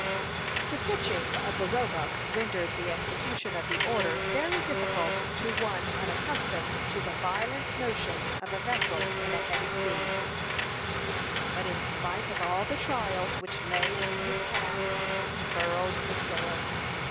The pitching of the Roebuck rendered the execution of the order very difficult to one unaccustomed to the violent motion of a vessel in a heavy sea; but in spite of all the trials which lay in his path, he furled the sail.